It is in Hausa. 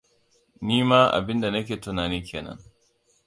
Ni ma abinda nake tunani ke nan.